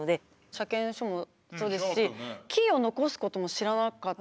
車検証もそうですしキーを残すことも知らなかったです。